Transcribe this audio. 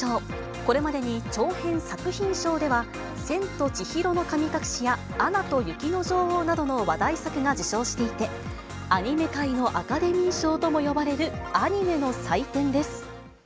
これまでに長編作品賞では、千と千尋の神隠しやアナと雪の女王などの話題作が受賞していて、アニメ界のアカデミー賞とも呼ばれるアニメの祭典です。